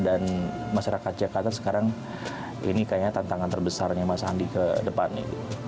dan masyarakat jakarta sekarang ini kayaknya tantangan terbesarnya mas sandi ke depannya